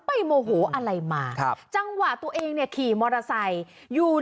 โมโหอะไรมาครับจังหวะตัวเองเนี่ยขี่มอเตอร์ไซค์อยู่